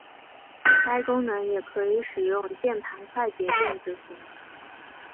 该功能也可以使用键盘快捷键执行。